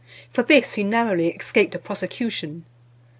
For this he narrowly escaped a prosecution.